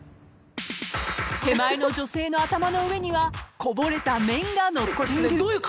［手前の女性の頭の上にはこぼれた麺がのっている］